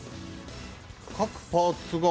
各パーツが。